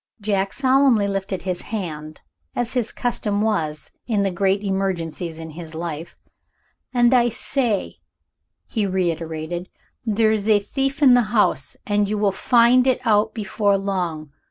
Jack solemnly lifted his hand, as his custom was in the great emergencies of his life. "And I say," he reiterated, "there is a thief in the house. And you will find it out before long.